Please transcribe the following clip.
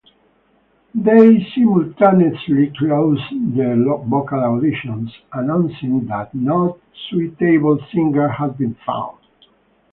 They simultaneously closed the vocal auditions, announcing that no suitable singer had been found.